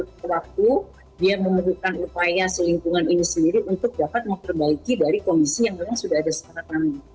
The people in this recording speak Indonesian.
jadi memang dia waktu waktu dia memerlukan upaya selingkungan ini sendiri untuk dapat memperbaiki dari kondisi yang memang sudah ada setara tanah